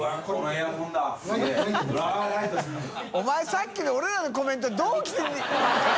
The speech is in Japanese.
さっきの俺らのコメントどう。